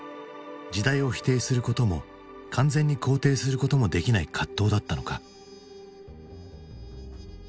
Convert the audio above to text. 時代を否定することも完全に肯定することもできない葛藤だったのか。